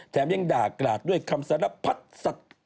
ยังด่ากราดด้วยคำสารพัดสัตว์